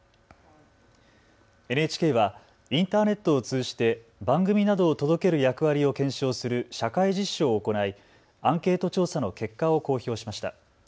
ＮＨＫはインターネットを通じて番組などを届ける役割を検証する社会実証を行いアンケート調査の結果を公表しました。